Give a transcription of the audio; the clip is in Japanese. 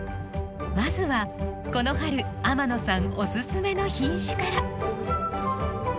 まずはこの春天野さんおすすめの品種から。